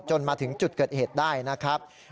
มาถึงจุดเกิดเหตุได้นะครับ